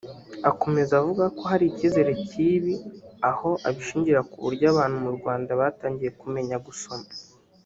Akomeza avuga ko hari icyizere cy’ibi aho abishingira ku buryo abantu mu Rwanda batangiye kumenya gusoma